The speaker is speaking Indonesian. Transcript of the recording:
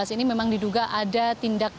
ini memang diduga ada tindakan